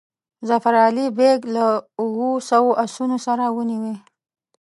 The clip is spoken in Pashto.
ظفر علي بیګ له اوو سوو آسونو سره ونیوی.